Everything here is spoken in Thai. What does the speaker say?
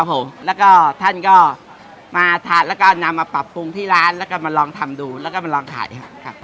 ผมแล้วก็ท่านก็มาทานแล้วก็นำมาปรับปรุงที่ร้านแล้วก็มาลองทำดูแล้วก็มาลองขายครับ